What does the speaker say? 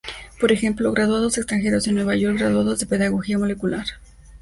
Por ejemplo, "graduados extranjeros en Nueva York, graduados de Pedagogía Molecular".